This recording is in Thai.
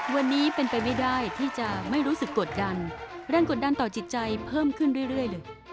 วันนี้เป็นไปไม่ได้ที่จะไม่รู้สึกกดดันแรงกดดันต่อจิตใจเพิ่มขึ้นเรื่อยเลย